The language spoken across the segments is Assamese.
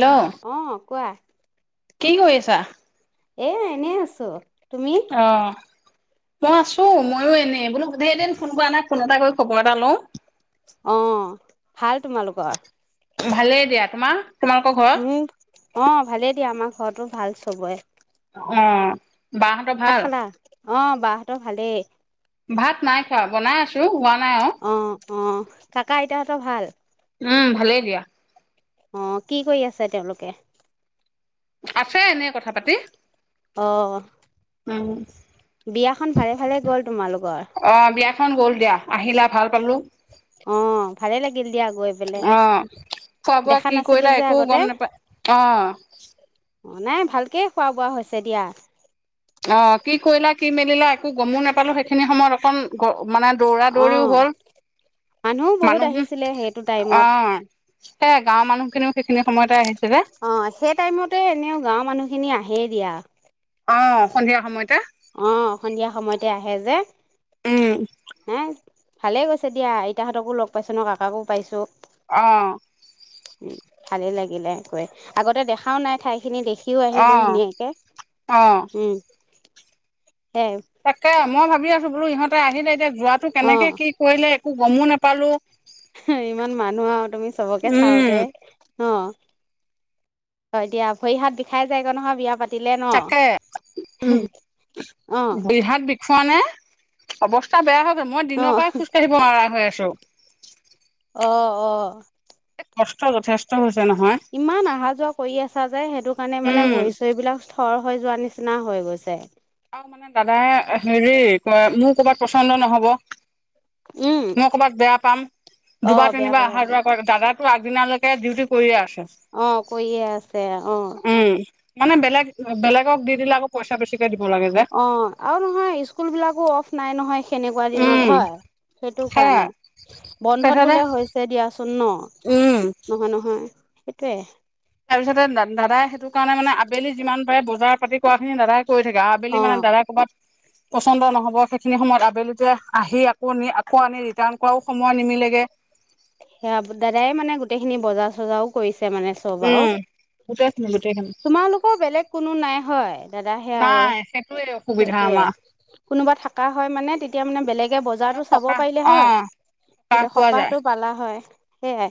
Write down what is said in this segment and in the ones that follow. হেল্ল' অ কোৱা কি কৰি আছা এ এনেই আছোঁ। অ মই আছোঁ মইও এনেই বোলো বোধেই এদিন ফোন কৰা নাই ফোন এটা কৰি খবৰ এটা লওঁ। অ ভাল তোমালোকৰ? ভালেই দিয়া, তোমাৰ? তোমালোকৰ ঘৰত? মোৰ অ ভালেই দিয়া আমাৰ ঘৰতো ভাল চবৰে। অ বাহতৰ ভাত ভাল? খালা অ বাহতৰ ভালেই। ভাত নাই খোৱা বনাই আছোঁ। ত হোৱা নাই অ অ কাকা আইতাহঁতৰ ভাল? উম ভালেই দিয়া। অ কি কৰি আছে তেওঁলোকে? আছে এনে কথা পাতি। অ উম বিয়াখন ভালে ভালে গল তোমালোকৰ? খন গল দিয়া আহিলা ভাল পালোঁ। গিল দিয়গ। অ খোৱা বোৱা কি নাছিলো কৰিলা যে একো আগতে গম নাপায় অ' এ খোৱা বোৱা হৈছে দিয়া। অ কি কৰিলা কি মেলিলা একো গমো নাপালোঁ সেইখিনি সময়ত অকণ। মানে দৌৰা দৌৰিও অ' হ'ল মানুহও বহুত মানুহে আহিছিলে সেইটো অ টাইমত [unintelligible] সেইখিনি সময়তে আহিছে যে অ সেই টাইমতে এনেও গাৱৰ মানুহখিনি আহেই দিয়া। অ সন্ধিয়া সময়ত। অ সন্ধিয়া সময়তে আহে যে উম হে ভালেই গৈছে দিয়া, আইতাহঁতকো লগ পাইছোঁ ন কাকাকো পাইছোঁ অ ভালেই লাগিলে গৈ আগতে দেখাওঁ নাই ঠাই। খিনি দেখিও অ আহিলো ধুনীয়াকে অ উম সেই তাকে মই ভাবি আছোঁ। বুলো ইহতে আহিলে এতিয়া। যোৱাটো কেনেকে অ', কি কৰিলে। একো গমো নাপালো ইমান মানুহ আৰু তুমি চবকে উম চাওতে অ হয় দিয়া ভৰি হাত বিষাই যায়গ নহয় বিয়া পাতি তাকে উ অ', বিহাত বি খোৱা নে অৱস্থা বেয়া হব মই অ', দিনৰ পৰা খোজকাঢ়িবোৱাৰা হৈ আছো [unintelligible] পিকা [unintelligible] অ অ কষ্ট যথেষ্ট হ ইমান অহা যোৱা কৰি আছা যে সেইটো কাৰণে মানে উম ভৰি চৰিবলাক খৰ হৈ যোৱা নিচিনা হৈ গৈছে আৰু মানে দাদাই হেৰি ক মোৰ কৰ'বাত পচন্দ নহব উম, মই কৰ'ৰবাত বেয়া পাম অ', দুবাৰ বেয়া তিনিবাৰ পাবা অহা বুলি যোৱা কৰ দাদাক আগদিনালৈকে ডিউটি কৰি আছো অ কৈয়ে আছে অ উম। মানে বেলেগ বেলেক দি দিলে আকৌইচা বেছিকে দ অ আৰু নহয় স্কুল বিলাকো অফ নাই নহয় কেনেকুৱা দিনত উম হয় সেইটো সেয়া কাৰণে বন্ধত তাৰপিছতে বোলে হৈছে দিয়া পচন্ন উম নহয় নহয় সটোৱে তাৰপিছতে দাদাই সেইটো কাৰণে মানে আবেলি যিমান পাৰে বজাৰ পাতি কৰাোৱাখিনি দাদায় কৈ থাকে অ আবেলিানে দাদা কৰবাত পচন্দ নহ'ব সেইখিনি সময়ত আবেলিতে আহি আকৌ নি আকৌ আনি ৰিটাৰ্ণ কৰাও সময় নিমিলেগে সেয়া দাদাই মানে গোটেইখিনি বজাৰ চজাৰও কৰিছে মানে চব আৰু উম। গোটেইখিনি গোটেইখিনি তোমালোকৰ বেলেগ কোনো নাই হয় দাদ সে আৰু নাই সেইটোয়ে অসুবিধা সেইটয়ে আমাৰ কোনোবা থাকা হয় মানে এতি মানেলেগ [unintelligible] এ অলপ বজাৰতো চাব সকাহ পাৰিলে অ হয় সকাহ এতিয়া পোৱা যায় সকাহতটো পালা হয় সেইয়াই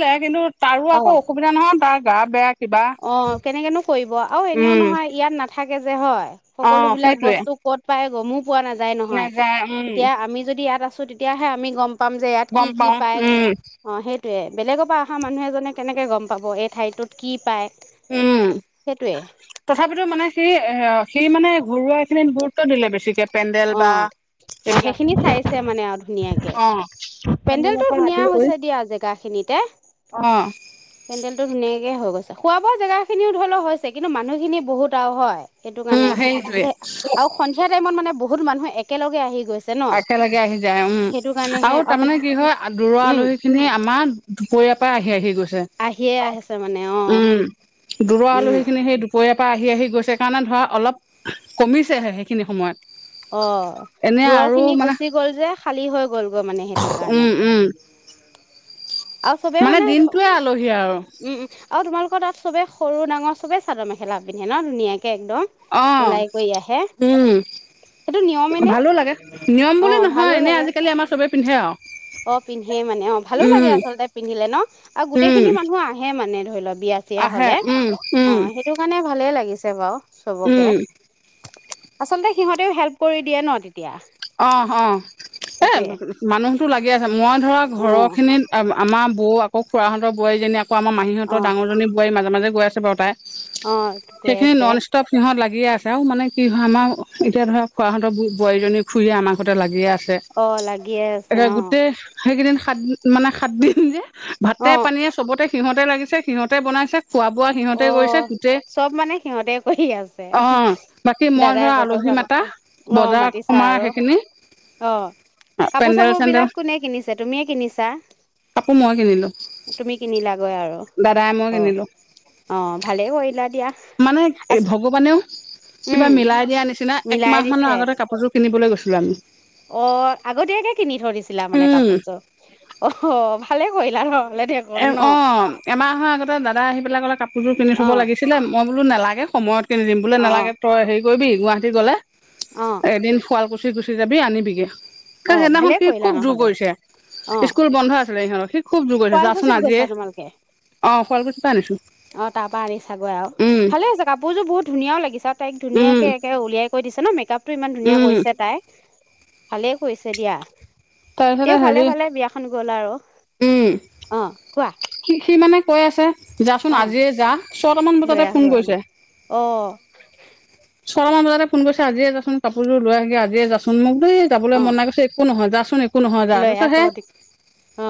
লে কিনে [unintelligible] তাৰো আকৌ অসুবিধা নহয় তাক গা বেয়া কিবা অ কেনেকেনো কৰিব আৰু এনেও উম। নহয় ইয়াত ন থাকে যে হয় অ সকলো বিলাক সেইটোৱে বস্তু ক'ত পাই [unintelligible] পোৱা নাযায় নহয়, নাযায় উম এতিয়া আমি যদি ইয়াত আছো [unintelligible] তেতিয়াহে আমি গম পাম যে ইয়াত গম কি কি পাও পায়, উম অঁ সেই [unintelligible] বেলেগৰ পৰা অহা মানুহ এজনে কেনেকে গম পাব এই ঠাইটোত কি [unintelligible] উম, সেইটোয়ে তথাপিতো মানে সেই এ সেইমানে ঘৰুৱা [unintelligible] খিনিত গুৰুত্ব দিলে বেছিকে। পেণ্ডেল অ বা অ এইবিলাক সেইখিনি চাইছে [unintelligible] অঁ। পেণ্ডেল টো ধুনীয়া হৈছে দিয়া জেগা খিনিতে, অ পেণ্ডেলটো ধুনীয়াকে হৈ গৈছে খোৱা বোৱা জেগা খিনিও ধৰি লওঁ হৈছে, কিন্তু মানুহখিনি বহুত আৰু হয় সেইটো উম কাৰণে সেইটোৱে [unintelligible] আৰু সন্ধিয়া টাইমত মানে বহুত মানুহে এক একেলগে আহি গৈছে ন একেলগে আহি যায় উম সেইটো কাৰণেহে আৰু তাৰমানে [unintelligible] কি হয় দূৰৰ উম আলহীখিনি আমাৰ দুপৰীয়াৰ পৰা আহি আহি গৈছে আহিয়ে [unintelligible] আছে মানে অ উম, দূৰৰ উম আলহীখিনি সেই দুপৰিয়াৰ [unintelligible] আহি আহি গৈছে কাৰণে ধৰা অলপ কমিছেহে সেইখিনি সময়ত। অঁ, এনে [unintelligible] আৰু খিনি মানে গুচি গ'ল যে খালী হৈ গল গৈ মানে সেইটো কাৰণে। উম উম আৰু চবে মানে, দিনটোৱে আলহী আৰু উম উম আৰু তোমাৰ [unintelligible] তাত চবে সৰু ডাঙৰ চবে চাদৰ মেখেলা পিন্ধে ন ধুনীয়া অঁ, উম সেইটো নিয়মে নে ভালো লাগে নিয়ম অ বুলি নহয় ভালো এনে লাগে আজিকালি আমাৰ চবে পিন্ধে আৰু অ পিন্ধে মানে অ উম। [unintelligible] পিন্ধিলে ন আৰু গোটেই উম খিনি মানুহ আহে মানে ধৰি লওক বিয়া চিয়া আহে হলে উম উম অঁ, সেইটো কাৰণে ভালে লাগিছে। [unintelligible] বাৰু। চবকে। উম আচলতে সিহঁতেও হেল্প কৰি দিয়ে ন তেতিয়া অঁ, অঁ এ সেইটোৱে মানুহতো লাগি আছে মই ধৰা অ ঘৰৰ খিনিত আমাৰ বৌ আকৌ খুৰাহঁতৰ বোৱাৰীজনী আকৌ [unintelligible] আমাৰ অ মাহীহঁতৰ দাঙৰজনী বোৱাৰী মাজে গৈ আছে বাৰু তাই। অ গৈ সেইখিনি আছে ননষ্টপ সিহঁত লাগি সি আছৈ মানে কি হয় আমাৰ এতিয়া ধৰা খোৱাহঁতৰ বোৱাৰীজনী। খুৰিয়ে আমাৰঘৰতে লাগি আছে অ লাগিয়ে আছে অ গোটেই হেইকিদিন সাতদিন মানে সাতদিন যে ভাতে অ পানীয়ে চবতে সিহঁতে লাগিছে সিহঁতে বনাইছে খোৱা বোৱা সিহঁতে অ কৰিছে গোটেই চব মানে সিহঁতে কৰি আছে অ বাকী মই দাদাই ধৰা বজাৰ আলহী চজাৰ কৰিছে মাতা আছে অ বজাৰ মাতিছে। সমাৰ আৰু সেইখিনি অ কাপোৰ পেণ্ডেল চাপোৰ চেণ্ডেল বিলাক কোনে কিনিছে তুমিয়ে কিনিছা কাপোৰ মই কিনিলো তুমি কিনিলাগৈ আৰু দাদাই মই কিনিলো অ। অ', ভালেই কৰিলা দিয়া মানে এ আচ ভগৱানেও কিবা উম, মিলাই দিয়া নিচিনা মিলাই একমাহ দিছে। মানৰ আগতে কাপোৰযোৰ নিবলৈ গৈছিলোঁ আমি। অ আগতীয়াকে কিনি থৈইদিছিলা মানে উম কাপোৰযোৰ অ ভালে কৰিলা ন দেখোন এ অ এমাহৰ আগতে দাদা আহি পেলাই ক'লে কা কাপোৰ যোৰ কিনি' থব অ', লাগিছিলে মই বোলো নালাগে সময়ত কিনি দিম বোলে নালাগে অ', তই সেই কৰিব গুৱাহাটী গ'লে। অ', এদিন শুৱালকুছি গুচি যাবি আনিবিগে কাৰণ অ', সেইদিনাখন ভালে সি কৰিলা খুব জোৰ নহ'লে কৰিছে অ', স্কুল বন্ধ আছিলে সিহঁতৰ খুব যোৰ কৰিছে যাছো শুৱালকুছিত আজিয়ে গৈছা তোমালোকে? অ শুৱালকুছি পাই আনিছোঁ অ তাৰ পৰা আনিছাগৈ আৰু ভালে আছে কাপোৰযোৰ বহুত ধুনীয়াও লাগিছে আৰু তাইক উম ধুনাকে একে উলিয়াই কৈ কৈ দিছে ন মেকাপ টো ইমান ধুনীয়া উম কৰিছে তাই ভালে কৈছে দিয়া তাৰপিছতে তেওঁ ভালে হেৰি ভালে বিয়াখন গ'ল আৰু উম অ কোৱা সি সি মানে কৈ আছে যাচোন অ আজিয়ে যা ছয়টামান লৈ বজাতে আহ ফোন গৈ বুলি কৰিছে অ ছ মান বজাতে ফোন কৰিছে আজিয়ে যাচোন। কাপোৰযোৰ লৈ আহগি আজিয়ে যাচোন মোক দেই যাবলৈ অ মন নাই গৈছে একো নহয় যাচোন একো নহয় যা লৈ তাৰপিছত আকৌ হে অ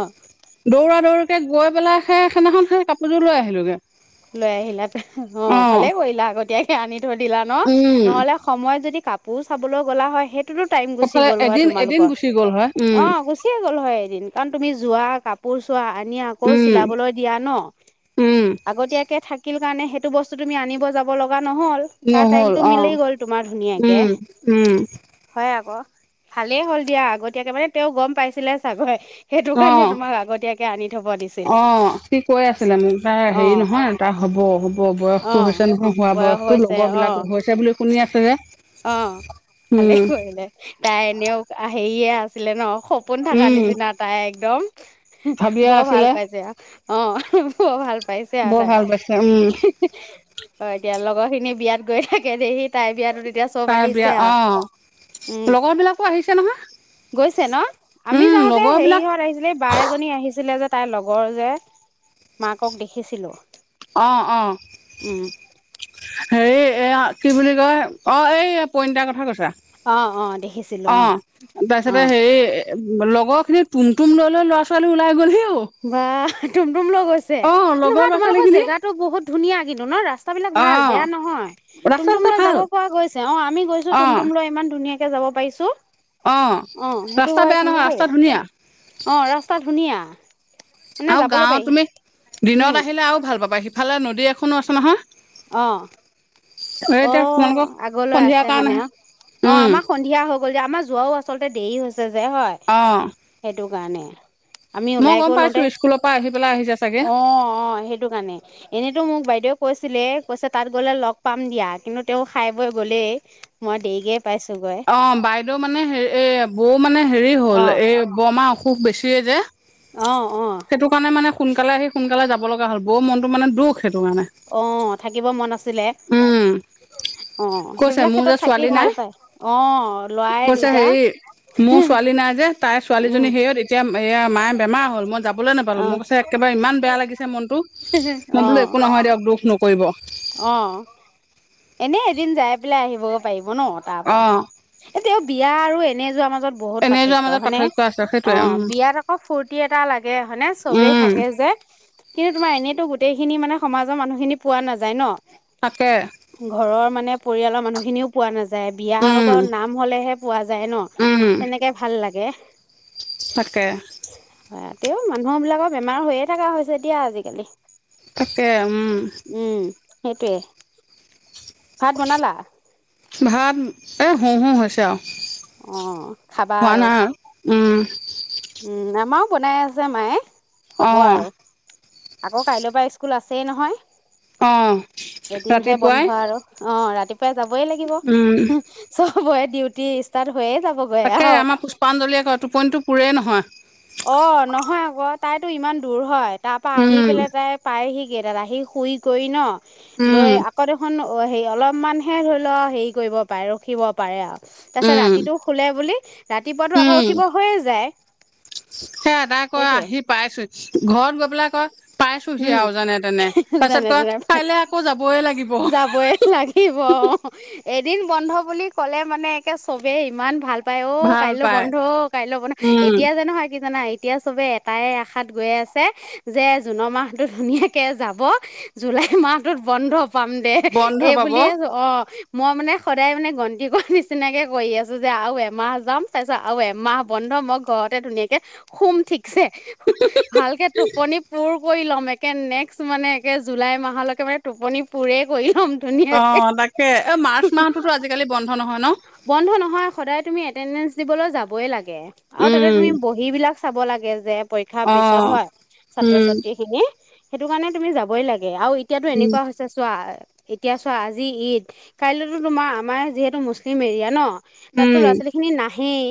দৌৰা দৌৰি এতিয়া গৈ পেলাই সেই সদিনাখন সেই কাপোৰযোৰ লৈ আহিলোঁগৈ। লৈ আহিলা অ ভালে কৰিলা আগতয়াই। তে আনিত। দিলা ন উম নহলে সময় যদি কাকো। পোৰ চাবলৈ গ'লা হয় সেই টাইম গুচি এফালে গ'ল হয় এদিন এদিন তোমালোকৰ গুচি গ'ল হয় উম অ গুচিয়ে গ'ল হয় এদিন কে। তুমি যোৱা কাপোৰ চোৱা। এম আকৌ উম চিলাবলৈ দিয়া ন। উম আগতীয়াকে থাকিল কাৰণে সেইটো বস্তু তুমি আনিব যাব লগা লগা নহল তাৰ নহ'ল টাইমতটো অ মিলি গ'ল তোমাৰ ধুনীয়াকে উম উম হয় আকৌ ভালেই হ'ল দিয়া আগতীয়াকে মানে তেওঁ গম পাইছিলে চাগৈ সেইটো অ কাৰণে তোমাক আগতীয়াকে আনি থব দিছিল। অ সি কৈ আছিলে মোক তাৰ অ হেৰি নহয় তাৰ হ'ব হ'ব। অ বয়সটো হৈছে নহয় হোৱা বয়স বয়সটো হৈছে লগৰ অ বিলাক হৈছে বুলি শুনি আছে যে অ ভালেই উম কৰিলে তাই এনেও আহ । হেৰিয়ে আছিলে ন সপোন থাকা উম নিচিনা তাই। দম ভাবিয়ে বৰ ভাল আছিলে পাইছে আহ অ হো হো ভাল । বৰ ভাল পাইছে উম। অ এতিয়া লগৰ খিনি বিয়াত গৈ থাকে দেহি তাইৰ বিয়াত। এতিয়া চব তাই বিয়া আহিছে অ আৰু উম লগৰ বিলাকো আহিছে নহয় গৈছে ন আমি উম যাওতে লগৰ বিলাক হেৰিহঁত আহিছিলে বা এজনী আহিছিলে যে। তাইৰ লগৰ যে মাকক দেখিছিলো। অঁ অঁ উম হেৰি এই কি বুলি কয় অঁ এই পইন্তাৰ কথা কৈছা। অ অ দে। অ তাৰপিছতে হেৰি। লগৰ খিনি তুমটুম লৈ লৈ ল'ৰা ছোৱালী ওলাই গ'লহি। অ'। বা তুম তুম লগ গৈছে অ' লগৰ নহয় ল'ৰা ছোৱালী তোমালোকৰ খিনি জেগাতো বহুত ধুনীয়া কিন্তু ন ৰাস্তা। ৰাস্ত বিলাক ভাল অ' বেয়া নহয় ৰাস্তা তুমটুম চাস্তা লৈ ভাল যাব পৰা গৈছে অ আমি গৈছো অ' তুমটুম লৈ ইমান ধুনীয়া। ধুনীয়াকে যাব পাৰিছো। অ সেইটো ৰাস্তা হয় বেয়া কিন্তু নহয় দেই ৰাস্তা ধুনীয়া অ ৰাস্তা ধুনীয়া মানে আৰু যাবলৈ গাঁওত পাৰি তুমি উম দিনত আহিলে আৰু ভাল পাবা সি ইফালে নদী এখনো আছে নহয় অহ এই অ এতিয়া তোমালোকক আগলৈ সন্ধিয়া আছে মানে কাৰণেহে অ অ উম আমাৰ সন্ধিয়া হওক আমাৰ যোৱাও আচলতে দেৰি হৈছে যে হয় অ' সেইটো গানে আমি মই উওলাই গম পাইছো কলোতে স্কুলৰ পৰা আহি পেলাই আহিছে চাগে অ অ সেইটো কাৰণে এনেতো মোক বাইদেউ কৈছিলে কৈছে তাত গ'লে লগ পাম দিয়া কিন্তু তেওঁ খাই বৈ গ'লেই মই দেৰিকে পাইছোগৈ অ বাইদেউ মানে হেৰি এ বৌ মানে হেৰি হ'ল এই বমা খুব বেছিয়ে যে অ অ সেইটো কাৰণে মানে সোনকালে আহি সোনকালে যাব লগা হ'ল বৌ মনটো মানে দুখ সেইটো কাৰণে অ থাকিব মন আছিলে উম অ কৈছে সেইবিলাক মোৰ যে ক্ষেত্ৰত থাকি ছোৱালী ভাল নাই পায় অ লৰাই কৈছে দুইটা হেৰি মোৰ ছোৱালী নাই যে, তাইৰ উম ছোৱালীজনী হেৰিত এতিয়া এয়া মায়ে বেমাৰ হ'ল মই যাবলৈ নাপালোঁ অ মোক কৈছে একেবাৰে ইমান বেয়া লাগিছে মনটো অ মই বোলো একো নহয় দিয়ক দুখ নকৰিব অ এনে এদিন যাই পেলাই আহিবগে পাৰিম হব ন তাৰ অ পৰা এতিয়া বিয়া আৰু এনে যোৱাৰ মাজত বহুত এনেই যোৱাৰ মাজত পাৰ্থক্য নে আছে অ সেইটোৱে উম বিয়াত আকৌ ফূুৰ্তি এটা লাগে হয়নে চবে উম থাকে যে কিন্তু তোমাৰ এনেতো গোটেইখিনি মানে সমাজৰ মানুহখিনি পোৱা নাযায় ন তাকে ঘৰৰ মানে পৰিয়ালৰ মানুহখিনিও পোৱা নাযায় বিয়া উম বাৰু নাম হলেহে পোৱা যায় ন উম সেনেকে ভাল লাগে এ [unintelligible] তাকে ইয়াতেও মানুহ বিলাকৰ বেমাৰ হৈয়ে থকা হৈছে এতিয়া আজিকালি তাকে উম উম সেইটোৱে, ভাত বনালা? ভাত এই হো হো হৈছে আও অ', খাবা আৰু। উম। উম, আমাৰো বনাই আছে মায়ে। হ'ব আৰু আকৌ কাইলৈ পৰা ই স্কুল আছেই নহয়? অহ এদিনহে বন্ধ ৰাতিপুৱাই। আৰু অ ৰাতিপুৱাই যাবই লাগিব উম। [unintelligible] চ হ'বই ডিউটি ষ্টাৰ্ট হৈয়ে যাবগৈ তাকে আৰু আমাৰ পুষ্পাঞ্জলিয়ে কয় টোপনীতো পু অ', নহয় আগত। তাইতো ইমান দূৰ হয়। তাৰ পৰা আহি উম, পেলাই তাই পায়হি [unintelligible] আহি শুই কৰি ন? উম। লৈ আকৌ দেখোন অ', হেৰি অলপমানহে ধৰি ল হেৰি কৰিব পাৰে ৰখিব পাৰে আৰু। তাৰপিছত উম, ৰাতিটো শুলে বুলি ৰাতিপুৱাতো আকৌ উঠিব হৈয়ে যায়। সেয়াই তাই‌ কয় সেইটোৱে আহি পাইছো ঘৰত গৈ বিলাকক উম, যেনে কয় তেনে কাইলে আকৌ যাবই লাগিব যাবই লাগিব‌ এ। দিন বন্ধ বুলি ক'লে মানে একে চবে ইমান ভাল পাই অ', ভাল কাইলৈও পাই। বন্ধ কাইলৈ বন্ধ উম। এতিয়া যে নহয় কি জানা? এতিয়া চবে এটাই আশাত গৈ আছে যে জুনৰ মাহ ধুনীয়াকে যাব জুলাই মাহটোত বন্ধ। পাম দে বন্ধ এই পাব বুলিয়ে অ। মই মানে সদায় মানে গন্তি কৰি নিচিনাকে কৰি আছো যে আৰু এমাহ যাম তাৰপিছত আৰু এমাহ বন্ধ মই ঘৰতে ধুনীয়াকে শুম ঠিক চে ভালকে টোপনি পুৰ কৰি ল'ম একে নেক্সট মানে একে জুলাই মাহলৈকে মানে টোপনি পুৰে কৰিল [unintelligible] ধুনীয়াকে অ' তাকে এ মাৰ্চ মাহটোতো আজিকালি বন্ধ নহয় ন? বন্ধ নহয় সদায় তুমি এটেণ্ডেন্ঞ্চ দিবলৈ যাবই লাগে তাকে আৰু তাতে উম, তুমি বহী বিলাক চাব লাগে যে। পৰীক্ষাৰ পিছত অ', হয় ছাত্ৰ উম, ছাত্ৰী সেইটো কাৰণে তুমি যাবই লাগে। আৰু এতিয়াতো উম, এনেকুৱা হৈছে চোৱা। এতিয়া চোৱা আজি ঈদ। কাইলৈতো তোমাৰ আমাৰ যিহেতু মুছলিম এৰিয়া ন- তাতো উম, ল'ৰা ছোৱালী খিনি নাহেই,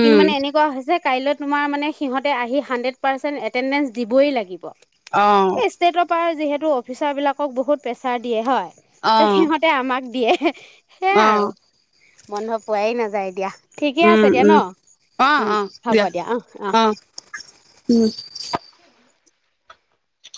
কিন্তু মানে এনেকুৱা হৈছে- কাইলৈ তোমাৰ মানে সিহঁতে আহি হাণ্ড্ৰেড পাৰ্চেণ্ট এটেণ্ডেন্ঞ্চ দিবই লাগিব। অ', এই চেটৰ পৰা- যিহেতু অফিচাৰ বিলাকক বহুত প্ৰেচাৰ দিয়ে হয়। ত অ', সিহঁতে আমাক দিয়ে। হে- সেয়া আৰু। অ', বন্ধ পোৱাই নাযায় এতিয়া। উম উম। অহ অহ হ'ব দিয়া। অ অ অহ, উম।